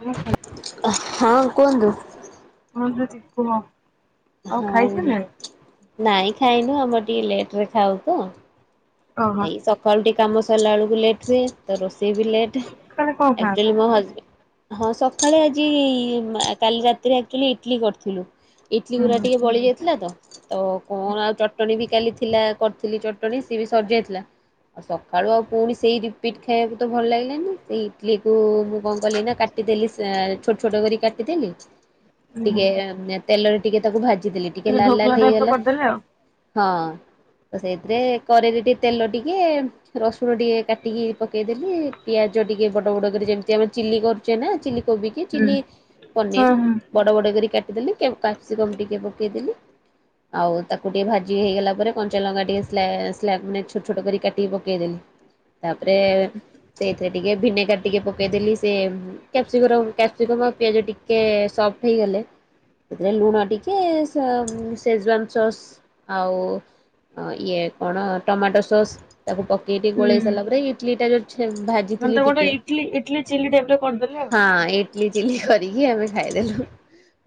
ବହୁତ୍ ଭଲ। ହଁ କୁହନ୍ତୁ? ମନ୍ଦିର ଯିବୁନୁ। ହଁ ନାଇଁ ଖାଇନୁ ଆମର ଟିକେ ଲେଟ ରେ ଖାଉ ତ। ଓହୋ। ଏଇ ସକାଳୁ ଟିକେ କାମ ସରିଲା ବେଳକୁ ଲେଟ୍ ହୁଏ ତ ରୋଷେଇ ବି ଲେଟ। ସକାଳେ କଣ ଖାଆନ୍ତି? ଆକ୍ଚୁଆଲି ମୋ ହଜ ହଁ ସକାଳେ ଆଜି କାଲି ରାତିରେ ଆକ୍ଚୁଆଲି ଇଟଲିି କରିଥିଲୁ। ଇଟଲି ହୁଁ ଗୁଡ଼ା ହୁଁ। ଟିକେଏ ବଳିଯାଇଥିଲା ତ। ତ କଣ ଆଉ ଚଟଣୀ ବି କାଲି ଥିଲା କରିଥିଲି ଚଟଣୀ ସିଏ ବି ସରିଯାଇଥିଲା। ଆଉ ସକାଳୁ ଆଉ ପୁଣି ସେଇ ରିପିଟ୍ ଖାଇବାକୁ ତ ଭଲ ଲାଗିଲାନି ସେଇ ଇଟିଲି କୁ ମୁଁ କଣ କଲି ନା କାଟିଦେଲି ଛୋଟ ଛୋଟ କରି କାଟିଦେଲି ହୁଁ ଟିକେ ତେଲରେ ଟିକେ ତାକୁ ଭାଜି ଦେଲି ଟିକେ ଲାଲ ଲାଲ ଢୋକଲା ଟାଇପ୍ ର ହେଇଗଲା କରିଦେଲେ ଆଉ। ହଁ ତ ସେଇଥିରେ କରେର ଟିକେ ତେଲ ଟିକେ ରସୁଣ ଟିକେ କାଟିକି ପକେଇଦେଲି ପିଆଜ ଟିକେ ବଡ ବଡ କରି ଯେମିତି ଆମେ ଚିଲି କରୁଛେ ନା ଚିଲି କୋବି ହୁଁ। ଚିଲି ହଁ ପନିର ହଁ ବଡ ବଡ କରି କାଟିଦେଲି କାପ୍ସିକମ ଟିକେ ପକେଇଦେଲି। ଆଉ ତାକୁ ଟିକେ ଭାଜି ହେଇଗଲା ପରେ କଞ୍ଚାଲଙ୍କା ଟିକେ ଛୋଟ ଛୋଟ କରି କାଟିକି ପକେଇଦେଲି ତାପରେ ସେଇଥିରେ ଟିକେ ଭିନେଗାର ଟିକେ ପକେଇଦେଲି ସେ ଯୋଉ କ୍ୟାପ୍ସିକମ କ୍ୟାପ୍ସିକମ ଆଉ ପିଆଜ ଟିକେ ସଫ୍ଟ ହେଇଗଲେ ସେଥିରେ ଲୁଣ ଟିକେ ସେଜୱାନ ସସ୍ ଆଉ ଅ ଇଏ କଣ ଟମାଟୋ ସସ୍ ତାକୁ ପକେଇ ଟିକି ହୁଁ ଗୋଳେଇ ସାରିଲା ପରେ [unintelligible] ସେ ମାନେ ତ ଭାଜିଥିଲି ଗୋଟେ ଟିକେ ଇଟଲି ଇଟଲି ଚିଲି ଟାଇପ୍ ର କରିଦେଲେ ଆଉ। ହଁ ହଁ ଚଟଲି ଚିଲଲି କରିକି ଆମେ ଖାଇଦେଲୁ।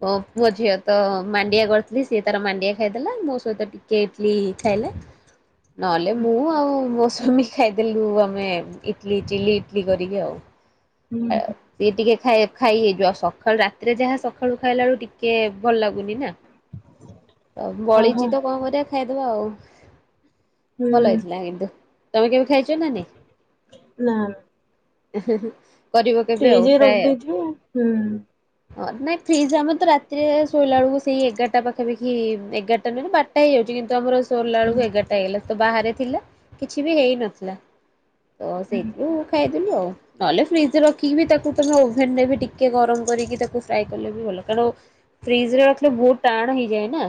ଓ ପୋ ଝିଅ ତ ମାଣ୍ଡିଆ କରିଥିଲି ସିଏ ତାର ମାଣ୍ଡିଆ ଖାଇଦେଲା ମୋ ସହିତ ଟିକେ କେ ଖାଇଲେ ନ ମୁଁ ଆଉ ମୋ ସ୍ବାମୀ ଖାଇଦେଲୁ ଆମେ ଇଟିଲି ଚିଲି ଇଟିଲି କରିକି ଆଉ ହୁଁ [unintelligible] ସିଏ ଟିକେ ଖାଇ ଖାଇ ହେଇଯିବ ସକାଳୁ ରାତିରେ ଯାହା ସକାଳୁ ଖାଇଲା ବେଳକୁ ଟିକେ ଭଲ ଲାଗୁନି ନା [inaudible] ଆଉ ଓହୋ ବଳିଚିତ କଣ କରିବା ଖାଇଦବା ଆଉ। ହୁଁ ଭଲ ହେଇଥିଲା କିନ୍ତୁ ତମେ କେବେ ଖାଇଛ ନା ନାଇଁ? ନା। କରିବ କେବେ ଫ୍ରିଜ୍ ଆଉ ରେ ପ୍ରାୟ ଆଉ। ରଖିଦେଇଥିବେ ହୁଁ ହଁ ନାଇଁ ଫ୍ରିଜ୍ ଆମେ ତ ରାତିରେ ଶୋଇଲା ବେଳକୁ ସେଇ ଏଗାରଟା ପାଖାପାଖି ଏଗାରଟା ନ ବାଟ ଟା ହେଇଯାଉଛି କିନ୍ତୁ ଆମର ସରିଲା ବେଳକୁ ଏଗାରଟା ହେଇଗଲା ତ ବାହାରେ ଥିଲା କିଛି ବି ହେଇନଥିଲା। ତ ସେଇଥିଲୁ ଖାଇଦଲୁ ଆଉ ନହଲେ ସେ ରଖିକି ବି ତାକୁ ତମେ ଓଭେନରେ ବି ଟିକେ ଗରମ କରିକି ତାକୁ ଫ୍ରାଏ କଲେ ବି ଭଲ କାରଣ ଫ୍ରିଜ ରେ ରଖିଲେ ବହୁତ ଟାଣ ହେଇଯାଏ ନା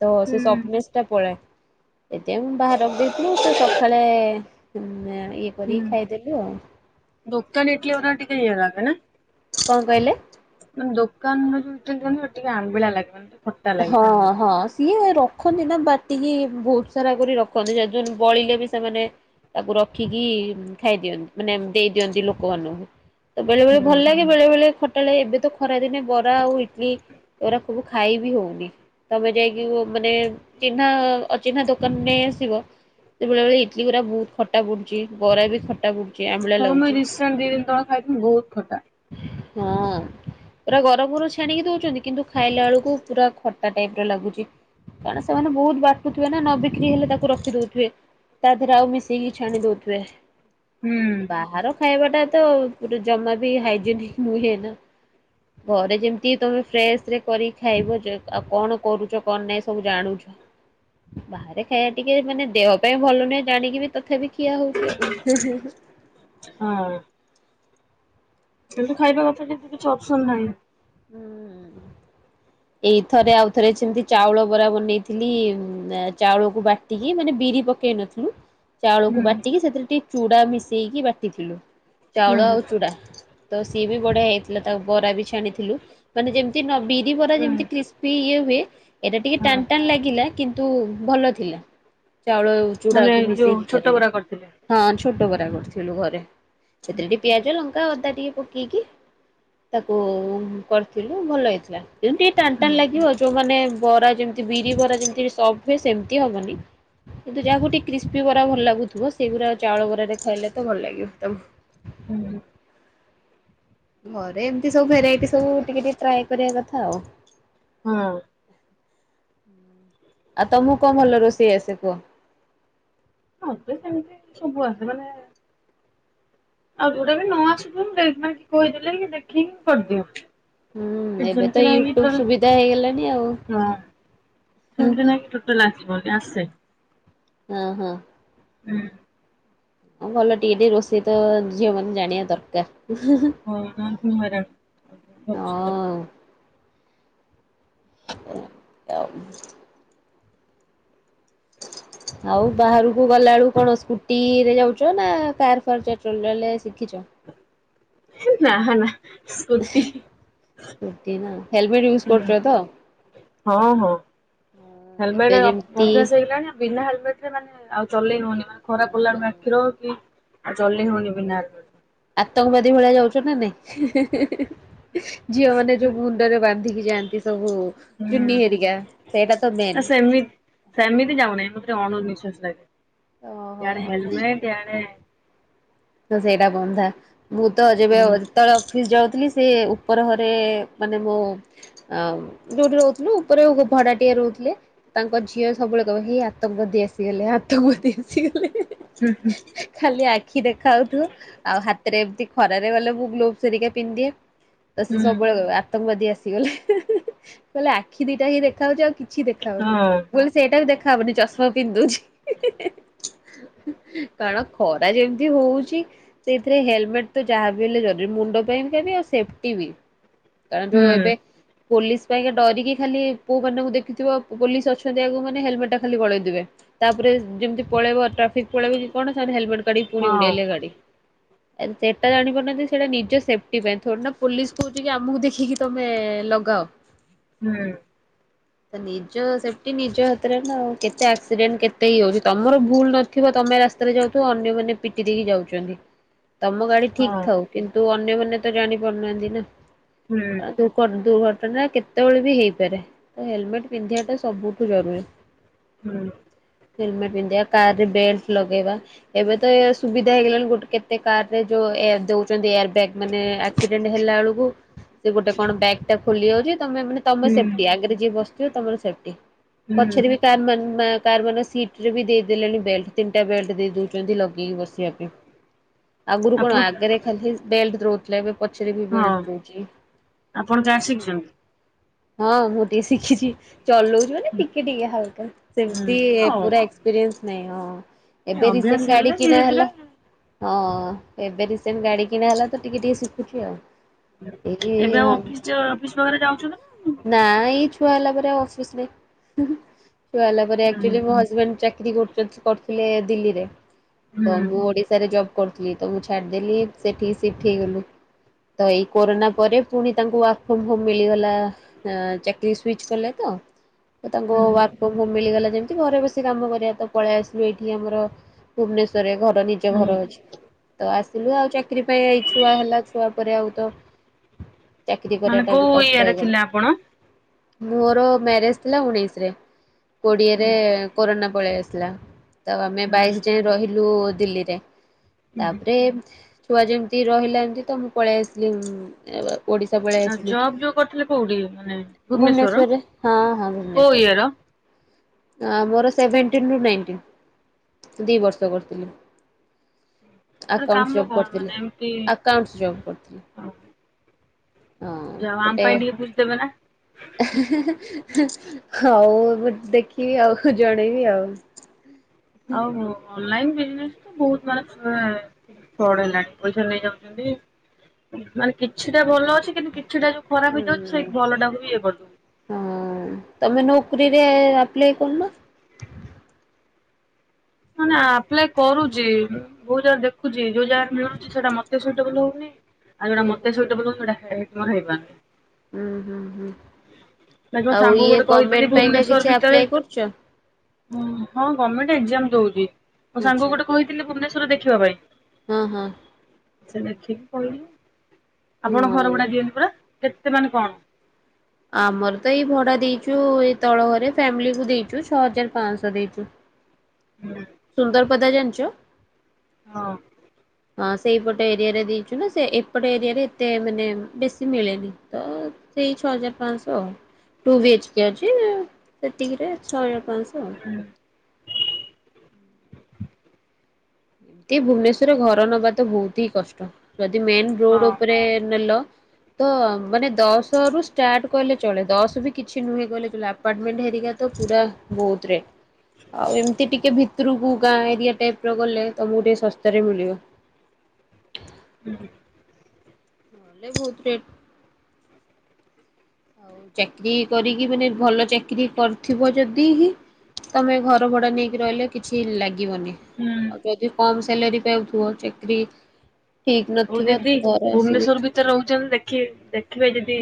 ତ ହୁଁ ସେ ପଳ ଏତ ବାହାରକୁ ଦେଇଥିଲୁ ସକାଳେ ଇ ହୁଁ କରିକି ଖାଇଦେଲୁ ଆଉ। ଦୋକାନ [unintelligible] କଥା ନା। କଣ କହିଲେ? ମାନେ ଦୋକାନ [unintelligible] ଆମ୍ବଳିଳା ଲାଗେ। ଖଟା ଲାଗେ। ହଁ ହଁ ସିଏ ର ରଖନ୍ତି ନା ବାଟିକି ବହୁତ ସାରା କରି ରଖନ୍ତିେ ବଳିଲେ ବି ସେମାନେ ତାକୁ ରଖିକି ଖାଇଦିଅନ୍ତି ମାନେ ଦେଇ ଦିଅନ୍ତି ଲୋକମାନଙ୍କୁ। ତ ବେଳେ ବେଳେ ଭଲ ହୁଁ ଲାଗେ ବେଳେବେେଳେ ଖଟାଲାଗେ ଏବେ ତ ଖରା ଦିନେ ବରା ଆଉ ଇଟିଲି ଏରା ସବୁ ଖାଇବି ହଉ ତମେ ଯାଇକି ମାନେ ଚିହ୍ନା ଅଚିହ୍ନା ଦୋକାନ ନେଇ ଆସିବ ସେତେଳେ ଇଡଲିି ଗୁରା ବହୁତ ଖଟା ପଡୁଛି ବରା ବି ଖଟା ପ ହଁ ମୁଇ ରିଶାଣ୍ଟ ଦି ଦିନ ତଳେ ଖାଇଥିଲି ବହୁତ ଖଟା। ହଁ ପୁରା ଗରମ ଗରମ୍ ଛାଣିକି ଦଉଛନ୍ତି କିନ୍ତୁ ଖାଇଲା ବେଳକୁ ପୁରା ଖଟା ଟାଇପ ର ଲାଗୁଛି କାରଣ ସେମାନେ ବହୁତ ବାଟୁଥିବେ ନା ନ ଦେଖିକି ହେଲେ ତାକୁ ରଖି ଦଉଥିବେ। ତା ଦେହରେ ଆଉ ମିଶେଇକି ଛାଣି ଦଉଥିବେ। ହୁଁ ବାହାର ଖାଇବାଟା ତ ପୁରା ଜମା ବି ହାଇଜେନିକ ହୁଏନା। ଘରେ ଯେମିତି ତମେ ଫ୍ରେଶ ରେ କରିକି ଖାଇବ ଯ ଆଉ କଣ କରୁଛ କଣ ନାଇଁ ସବୁ ଜାଣୁଚ। ବାହାରେ ଖାଇବା ଟିକେ ମାନେ ଦେହ ପାଇଁ ଭଲ ନୁହେଁ ଜାଣିକି ବି ତଥାପି ଖିଆ ହଉଛି ଆଉ। ହଁ। କିନ୍ତୁ ଖାଇବା କଥା କିନ୍ତୁ କିଛି ଅପସନ ନାହିଁ। [unintelligible] ଏଇ ଥରେ ଆଉଥରେ ସେମିତି ଚାଉଳ ବରା ବନେଇଥିଲି ଚାଉଳକୁ ବା ଏତିକି ମାନେ ବିରି ପକେଇ ନଥିବୁ। ଚାଉଳକୁ ହୁଁ ବାଟିକି ସେଥିରେ ଟିକେ ଚୁଡ଼ା ମିଶେଇକି ବାଟିଥିଲୁ ହୁଁ ଚାଉଳ ଆଉ ଚୁଡ଼ା। ତ ସିଏ ବି ବଢିଆ ହେଇଥିଲା ତାକୁ ବରା ବି ଛାଣିଥିଲୁ। ମାନେ ଯେମିତି ନ ବିରି ପରା ହୁଁ। ଯେମିତି କ୍ରିସ୍ପି ଇଏ ହୁଏ ଏଇଟା ଟିକେ ହଁ ଟାନ୍ ଟାନ୍ ଲାଗିଲା। କିନ୍ତୁ ଭଲ ଥିଲା ଚାଉଳ ମାନେ ଚୁଡାକୁ ଯୋଉ ମିଶେଇକି ଛୋଟ କରିବା। ବରା କରିଥିଲେ। ହଁ ଛୋଟ ବରା କରିଥିଲୁ ଘରେ ସେଥିରେ ପିଆ ଜ ଲଙ୍କା, ଅଦା ଟିକେ ପକେଇକି ତାକୁ କରିଥିଲୁ ଭଲ ହେଇଥିଲା। ଯେମତି ଟାନ ଟାନ୍ ଲାଗିବ ଯୋଉମାନେ ବରା ଯେମିତି ବିରି ବରା ଯେମିତି ସ୍ପଟ ହୁଏ ସେମିତି ହବନି। କିନ୍ତୁ ଯାହାକୁ ଟିକେ କ୍ରିସ୍ପି ବରା ଭଲ ଲାଗୁଥିବ ସେଇଗୁରା ଚାଉଳ ବରାରେ ଖାଇଲେ ତ ଭଲ ଲାଗିବ ତାକୁ। ହୁଁ। ଘରେ ଏମିତି ସବୁ ଭେରାଇଟି ସବୁ ଟିକେ ଟିକେ ଟ୍ରାଏ କରିବା କଥା ଆଉ। ହଁ। [unintelligible] ଆଉ ତମକୁ କଣ ଭଲ ରୋଷେଇ ଆସେ କୁଅ। ମତେ ସେମିତି ସବୁ ଆସେ ମାନେ ଆଉ ଯୋଉଟା ବି ନ ଆସିବ ମୁଁ ଦେଇକି କହିଦେଲେ ଦେଖିକି କରିଦିଅ। ହୁଁ ଏବେ ତ ସେମିତି ନାହିଁ ୟୁଟ୍ୟୁବ କି ସୁବିଧା ହେଇଗଲାଣି ଆଉ ହଁ ସେମିତି ନାହିଁ କି [unintelligible] ଆସେ ହଁ ହଁ। ହୁଁ। ଭଲ ଟିକେ ଟିକେ ରୋଷେଇ ତ ଝିଅ ମାନେ ଜାଣିବା ଦରକାର। ହଁ [inaudible] ହଁ। [unintelligible] ଆଉ। [unintelligible] ଆଉ ବାହାରକୁ ଗଲା ବେଳକୁ କଣ ସ୍କୁଟିରେ ଯାଉଛ ନା କାର୍ ଫାର୍ ଚ ଚଲେଇବା ଶିଖିଛ। ନା ନା। ସ୍କୁଟି ରୁଟି ନାଆଉ। ହେଲମେଟ୍ ୟୁଜ୍ କରୁଛ ତ? ହଁ ଏବେ ହେଲମେଟ୍ ଅ ଯେମିତି ଅଭ୍ୟାସ ହେଇଗଲାଣି ଆ ବିନା ହେଲମେଟ୍ ରେ ମାନେ ଆଉ ଚଲେଇ ହଉନି, ମାନେ ଖରା ପଡ଼ିଲା ବେଳକୁ ଆଖିର କି ଆଉ ଚଲେଇ ହଉନି ବିନା ହେଲ୍ ମେ ଆତଙ୍କବାଦୀ ଭଳିଆ ଯାଉଛ ନା ନାଇଁ? ହିଁ, ହିଁ, ହିଁ, ହିଁ। ଝିଅ ମାନେ ଯୋଉ ମୁଣ୍ଡରେ ବାନ୍ଧିକି ଯାଆନ୍ତି ସବୁ ହୁଁ ଚୁନି ହେରିକା ସେଇଟା ତ ନା ମେନ୍। ସେମିତି ସେମିତି ଯାଉନାଁଇ ମତେ ଟିକେ ଅଣ ନିିଶ୍ଵାସୀ ଲାଗେ। ଇଆଡେ ଓହୋ। ହେଲମେଟ୍ ଇଁଆଡେ ତ ସେଇଟା ବନ୍ଧା। ମୁଁ ତ ଯେବେ ଓ ହୁଁ। ଯେତେଅଳେ ଅଫିସ୍ ଯାଉଥିଲି, ସେ ଉପର ଘରେ ମାନେ ମୋ ଅମ୍ ଯୋଉଠି ରହୁଥୁଲୁ ଉପରେ ଉ-ଭଡାଟିଆ ରହୁଥିଲେ। ତାଙ୍କ ଝିଅ ସବୁବେଳେ କହିବ ହେ, ଆତଙ୍କବାଦୀ ଆସିଗଲେ! ଆତଙ୍କବାଦୀ ଆସିଗଲେ! [unintelligible] ହୁଁ, ହୁଁ। ଖାଲି ଆଖି ଦେଖାଉଥୁବ। ଆଉ ହାତରେ ଏମତି ଖରାରେ ଗଲେ ମୁଁ ଗ୍ଲୋଭସ୍ ହେରିକା ପିନ୍ଧିଦିଏ। ତ ସିଏ ହଁ ସବୁବେଳେ କହିବ ଆତଙ୍କବାଦୀ ଆସିଗଲେ ହିଁ, ହିଁ, ହିଁ, ଖାଲି ଆଖି ଦିଟା ହିଁ ଦେଖା ଯାଉଛି। ଆଉ କି କିଛି ଦେଖା ହଉନି, ହଁ ବୋଲି ସେଇଟା ବି ଦେଖାହବନି ଚଷମା ପିନ୍ଧିଦଉଛି। [unintelligible] କାରଣ ଖରା ଯେମ୍ ତି ହଉଛି। ସେଇଥିରେ ହେଲମେଟ୍ ତ ଯାହା ବି ହେଲେ ଜରୁରୀ। ମୁଣ୍ଡ ପାଇଁ ଆଉ ସେଫ୍ଟି ବି। କାରଣ ଯୋଉ ହୁଁ ଏବେ ପୋଲିସ ପାଇଁ କା ଡରିକି ଖାଲି ପୁଅମାନଙ୍କୁ ଦେଖିଥିବ, ପୋଲିସ ଅଛନ୍ତି ଆଗକୁ ମାନେ ହେଲମେଟ୍ ଟା ଖାଲି ଗଲେଇଦେବେ। ତା'ପରେ ଯେମିତି ପଳେଇବ। ଟ୍ରାଫିକ୍ ପଳେଇବ କି କଣ ସେମିତି ହେଲମେଟ୍ କାଢିକି ପୁଣି ହଁ ଉଡେଇଲେ ଗାଡି। ସେଟା ଜାଣି ପାରୁନାହାଁନ୍ତି। ସେଇଟା ନିଜ ସେଫ୍ଟି ପାଇଁ, ଥୋଡି ନା ପୋଲିସ କହୁଛି କି, ଯେ ଆମକୁ ଦେଖିକି ତମେ-ଏ ଲଗାଅ। ହୁଁ। ନିଜ ସେଫ୍ଟି ନିଜ ହାତରେ ନା ଆଉ। କେତେ ଆକ୍ସିଡେଣ୍ଟ କେତେ ହେଇଯାଉଛି, ତମର ଭୁଲ ନ ଥିବ ତମେ ରାସ୍ତାରେ ଯାଉଥିବ। ଅନ୍ୟମାନେ ପିଟି ଦେଇକି ଯାଉଚନ୍ତି, ତମ ଗାଡି ଠିକ୍ ହଁ ଥାଉ। କିନ୍ତୁ ଅନ୍ୟମାନେ ତ ଜାଣି ପାରୁନାହାଁନ୍ତି ନା। ହୁଁ। ଆ ଦୁକ ଦୁର୍ଘଟଣା କେତେବେଳେ ବି ହେଇପାରେ। ହେଲମେଟ୍ ପିନ୍ଧିବା ଟା ସବୁଠୁ ଜରୁରୀ। ହୁଁ। ହେଲମେ ପିନ୍ଧିବା, କାର ରେ ବେଲଟ୍ ଲଗେଇବା, ଏବେ ତ ଏ ସୁ ସୁବିଧା ହେଇଗଲାଣି। ଗୋଟେ କେତେ କାର ରେ ଯୋ ଏୟାର ଦଉଛନ୍ତି ଏୟାର ବ୍ୟାଗ୍ ମାନେ ଆକ୍ସିଡେଣ୍ଟ ହେଲା ବେଳକୁ ସେ ଗୋଟେ କଣ ବ୍ୟାଗ୍ ଟା ଖୋଲି ଯାଉଛି? ତମେ ମାନେ ତମ ହୁଁ ସେଫ୍ଟି ଆଗରେ ଯିଏ ବସିଥିବ ତମର ସେଫ୍ଟି। ହୁଁ। ପଛରେ ବି କାର ମାନ-ମା କାର ମାନେ ସିଟରେ ବି ଦେଇଦେଲେଣି ବେଲ୍ଟ। ତିନିଟା ବେଲ୍ଟ ଦେଇ ଦଉଚନ୍ତି ଲଗେଇକି ବସି [unintelligible] ଆଗରୁ ଆପଣ କଣ ଆଗରେ ଖାଲି ବେଲଟ୍ ରହୁଥିଲା ଏବେ ପଛରେ ବି ବେଲ୍ଟ ହଁ ରହୁଛି। ଆପଣ କାର ଶିଖିଚନ୍ତି? ହଁ, ମୁଁ ଟିକେ ଶିଖିଛି। ଚଲଉଛି ମାନେ ଟିକେ ଟିକେ ହାଲ୍କା ହୁଁ ସେମିତି ହଉ ପୁରା ଏକ୍ସ ପିରିଏନ୍ସ ହଁ, ଏବେ ରେଣ୍ଟ ଅଭ୍ୟାସ ହେଲେ ଗାଡି କିଣା ଧୀରେ ଧୀରେ ହେଲା। ହଁ, ଏବେ ରିସେଣ୍ଟ ଗାଡି କିଣା ହେଲା ତ, ଟିକେ ଟିକେ ଶିଖୁଥିଲି ଆଉ। ଏଇ ଏବେ ଆଉ ଅଫିସ୍ ଯାଅ ଅଫିସ୍ ପାଖରେ ଯାଉଛୁ ନା? ନାଁ ଏଇ ଛୁଆ ହେଲା ପରେ ଆଉ ଅଫିସ୍ ନାଇଁ। ହୁଁ, ହୁଁ ଛୁଆ ହେଲା ପରେ ହୁଁ ଆକ୍ଚୁଲି ମୋ ହଜବେନ୍ ଚାକ୍ କିରି କରୁଚ କରୁଥିଲେ ଦିଲ୍ଲୀରେ, ତ ହୁଁ ମୁଁ ଓଡିଶାରେ ଜବ୍ କରୁଥିଲି ତ, ମୁଁ ଛାଡିଦେଲି ସେଠିକି ସିଫ୍ଟ ହେଇଗଲି। ତ ଏଇ କୋରୋନା ପରେ ପୁଣି ତାଙ୍କୁ ୱାର୍କ ଫ୍ରମ୍ ହୋମ୍ ମିଳିଗଲା। ଅଁ ଚାକିର ସୁଇଚ କଲେ ତ ତାଙ୍କ ବା ମିଳିଗଲା ଯେମିତି ଘରେ ବସି କାମ କରିବା ତ ପଳେଇ ଆସିଲୁ ଏଇଠି ଆମର ଭୁବନେଶ୍ବରରେ ଘର ନି ନିଜ ହୁଁ ଘର ଅଛି ତ ଆସିଲୁ ଆଉ ଚାକିରି ପାଇଁ ଏଇ ଛୁଆ ହେଲା ଛୁଆ ପରେ ଆଉ ତ ଚାକରୀ ମାନେ କରିବା ଟା କୋଉ ବି କଷ୍ଟ ଇଏରେ ହେଇଗଲା। ଥିଲେ ଆପଣ? ମୋର ମ୍ୟାରେଜ ଥିଲା ଉଣେଇଶ ରେ କୋଡିଏରେ କୋରୋନା ପଳେଇ ଆସିଲା। ତ ଆମେ ହୁଁ ବାଇଶ ଯାଏ ରହିଲୁ ଦିଲ୍ଲୀରେ ତାପରେ ଛୁଆ ଯେମିତି ରହିଲା ଏମିତି ତ ମୁଁ ପଳେଇ ଆସିଲି ଓଡ଼ିଶା ପଳେଇ ଆସିଲି। ସବ ଯୋଉ କରିଥିଲେ କୋଉଠି? ମାନେ ଭୁବନେଶ୍ବର ଭୁବନେଶ୍ୱରରେ ହଁ ହଁ କୋଉ ଭୁବନେଶ୍ୱରରେ ଇୟର? ମୋର ସେଭେଣ୍ଟିନ ରୁ ନାଇଣ୍ଟିନ୍ ଦି ବର୍ଷ କରିଥିଲି। ମାନେ ଆକାଉଣ୍ଟ କାମ ଜବ୍ କଣ କରିଥିଲେ। ମାନେ ଏମିତି ଆ ଆଉଣ୍ଟ ଜବ୍ କରିଥିଲେ, ହଁ ଯାହା ହଉ ଆମ ଗୋଟେ ପାଇଁ ଟିକେ ବୁଝିଦେବେ ନା ହଉ ମୁ ଦେଖିବି ଆଉ ଜଣେଇବି ଆଉ। ଆଉ ଅନଲାଇନ ବିଜନେସ ତ ବହୁତ ମାନେ ଫ୍ରଡ୍ ହେଲାଣି ପଇସା ନେଇଯାଉଛନ୍ତି, ମାନେ କିଛିଟା ଭଲ ଅଛି କିନ୍ତୁ କିଛିଟା ଯୋଉ ଖରାପ ହେଇଯାଉଛି ହୁଁ। ସେ ଭଲକୁ ଟା କୁ ବି ଇଏ କରୁ ହଁ ତମେ ନୋକରିରେ ଆପ୍ଲାଏ କରୁନ ମାନେ ଆପ୍ଲାଏ କରୁଛି ବହୁତ ଜାଗା ଦେଖୁ ଦେଖୁଛି ଯୋଉ ଯାଗାରେ ମିଳୁଛି ସେଟା ମତେ ସୁଇଟେବଲ ହଉନି ଆଉ ଯୋଉଟା ହୁଁ ହୁଁ। ମତେ ସୁଇଟେବଲ ସେଟା ମାନେ ହେଇପାରୁନି। ହୁଁ ହୁଁ ହୁଁ ବାକି ମୋ ଆଉ ସାଙ୍ଗକୁ ଇଏ ଗୋଟେ କହିଥିଲି ଗଭମେଣ୍ଟ ପାଇଁକା ଭୁବନେଶ୍ଵର କିଛି ଭିତରେ ଆପ୍ଲାଏ କରୁଛ? ହଁ ଗର୍ମେଣ୍ଟ ଏକ୍ଜାମ ଦଉଛି ମୋ ଆଚ୍ଛା ସାଙ୍ଗକୁ ଗୋଟେ କହିଥିଲି ଭୁବନେଶ୍ବର ଦେଖିବା ପାଇଁ ହଁ ହଁ। ସେ ଦେଖିକି କହିଲେ, ଆପଣ ଘର ହଁ। ଭଡା ଦିଅନ୍ତି ପରା କେତେ ମାନେ କଣ ଆମର ତ ଏଇ ଭଡା ଦେଇଛୁ ଏଇ ତଳ ଘରେ ଫ୍ୟାମିଲିକୁ ଦେଇଛୁ ଛଅ ହଜାର ପାଞ୍ଚଶହ ଦେଇଛୁ। ହୁଁ ସୁନ୍ଦରପଦା ଜାଣିଛ। ହଁ ହଁ ସେଇପଟ ଏରିଆରେ ଦେଇଛୁ ନା ସେ ଏପଟ ଏରିଆରେ ଏତେ ମାନେ ବେଶୀ ମିଳେନି ତ ସେଇ ଛଅ ହଜାର ପାଞ୍ଚଶହ ଟୁ ବି ଏଚ କେ ଅଛି ସେତିକିରେ ଛଅ ହଜାର ପାଞ୍ଚଶହ। ଆଉ। ହୁଁ। ଏ ଭୁବନେଶ୍ଵରରେ ଘର ନବା ତ ବହୁତ ହିଁ କଷ୍ଟ ଯଦି ମେନ୍ ରୋଡ ହଁ। ଉପରେ ନେଲ ତ ମାନେ ଦଶ ରୁ ଷ୍ଟାର୍ଟ କହିଲେ ଚଳେ ଦଶ ବି କିଛି ନୁହେଁ କହିଲେ ଆପ ଅପାର୍ଟମେଣ୍ଟ ହେରିକା ତ ପୁରା ବହୁତ ରେ ଆଉ ଏମତି ଟିକେ ଭିତରକୁ ଗାଁ ଏରିଆ ଟାଇପ ର ଗଲେ ତମକୁ ଟିକେ ଶସ୍ତା ରେ ମିଳିବ। ହୁଁ ହୁଁ। ନହେଲେ ବହୁତ ରେଟ୍। ଆଉ ଚାକିରି କରିକି ମାନେ ଭଲ ଚାକିରି କରିଥିବ ଯଦି ହିଁ ତମେ ଘର ଭଡା ନେଇକି ରହିଲେ କିଛି ଲାଗିବନି। ହୁଁ ଆଉ ଯଦି କମ ସାଲାରୀ ପାଉଥିବ ଚାକିରି ଠିକ ନଥିବ ତ ଘରେ ଆସି ତ ରହୁଛନ୍ତି ଦେଖ ଦେଖିବେ ଯଦି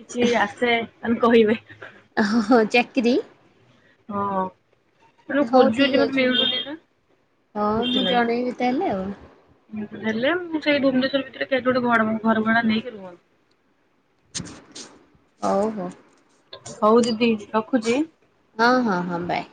କିଛି ଆସେ ଆମେ କହିବେ। ଓହୋ ଚାକରି। ହଁ ଯଁ ହଉ ଖୋଜୁଛି ଠିକ ମତେ ଅଛି ମୁଁ ମିଳୁନି ନା ହଁ ମୁଁ ଜଣେଇବି ତାହେଲେ ଆଉ। ଦେ ହେଲେ ମୁଁ ସେଇ ଭୁବନେଶ୍୍ୱର ଭିତରେ କେତେ ଗୋଟେ ଘ ଘର ଭଡା ନେଇକି ରୁହନ୍ତୁ। ଓହୋ। ହଉ ଦିଦି ରଖୁଚି। ହଁ, ହଁ, ହଁ, ବାଏ।